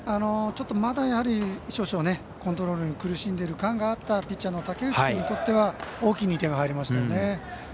ちょっとまだ少々コントロールに苦しんでる感があったピッチャーの武内君にとっては大きい２点が入りましたよね。